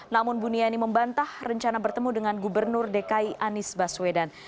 namun buniani membantah rencana bertemu dengan gubernur dki anies baswedan